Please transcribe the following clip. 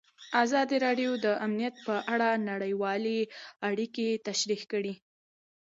ازادي راډیو د امنیت په اړه نړیوالې اړیکې تشریح کړي.